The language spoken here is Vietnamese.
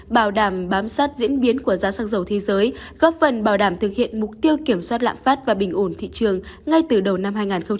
bảo đảm bám sát diễn biến của giá xăng dầu thế giới góp phần bảo đảm thực hiện mục tiêu kiểm soát lạm phát và bình ổn thị trường ngay từ đầu năm hai nghìn hai mươi